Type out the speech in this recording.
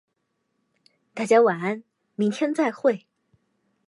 大家晚安，明天再会。